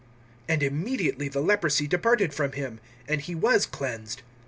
(42)And immediately the leprosy departed from him, and he was cleansed.